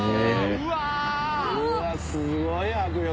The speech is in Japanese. うわすごい迫力！